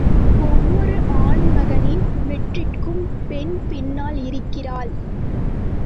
ஒவ்வொரு ஆண்மகனின் வெற்றிக்கும் பெண் பின்னால் இருக்கிறாள்.